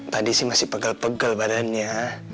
tadi sih masih pegel pegel badannya